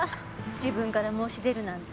自分から申し出るなんて。